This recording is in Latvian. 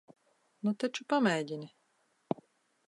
Nu taču, pamēģini.